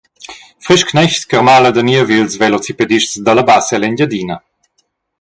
Frischknecht carmala da niev ils velocipedists dalla Bassa ell’Engiadina.